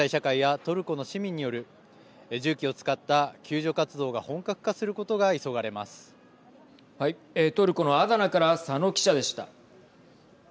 トルコのアダナから佐野記者でした。